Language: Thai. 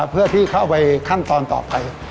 เพื่อที่เข้าไปขั้นตอนต่อไป